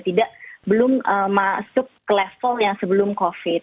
tidak belum masuk ke level yang sebelum covid